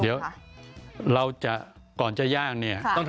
เดี๋ยวเราจะก่อนจะย่างเนี่ย